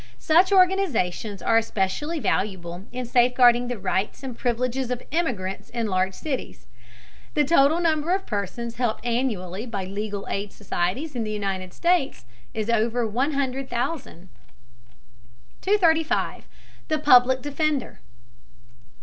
Such organizations are especially valuable in safeguarding the rights and privileges of immigrants in large cities. The total number of persons helped annually by legal aid societies in the United States is over 100,000. 235. THE PUBLIC DEFENDER.